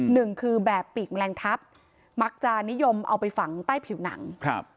หนึ่งคือแบบปีกแมลงทัพมักจะนิยมเอาไปฝังใต้ผิวหนังครับ